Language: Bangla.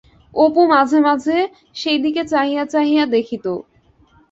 অপু মাঝে মাঝে সেইদিকে চাহিয়া চাহিয়া দেখিত।